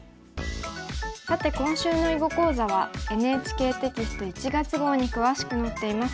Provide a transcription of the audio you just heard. さて今週の囲碁講座はＮＨＫテキスト１月号に詳しく載っています。